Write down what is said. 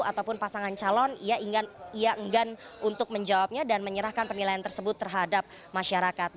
ataupun pasangan calon ia enggan untuk menjawabnya dan menyerahkan penilaian tersebut terhadap masyarakat